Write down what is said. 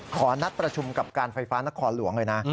ขอนัดประชุมกับการไฟฟ้านครหลวงเลยนะ